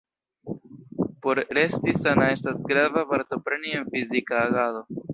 Por resti sana estas grava partopreni en fizika agado.